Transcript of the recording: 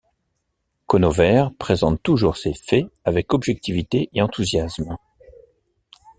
Conover présente toujours ses faits avec objectivité et enthousiasme.